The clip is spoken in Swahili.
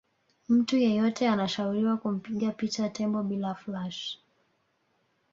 mtu yeyote anashauriwa kumpiga picha tembo bila flash